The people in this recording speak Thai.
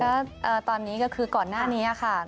ก็ตอนนี้ก็คือก่อนหน้านี้ค่ะ